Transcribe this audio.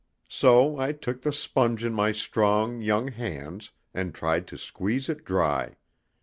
So I took the sponge in my strong, young hands, and tried to squeeze it dry.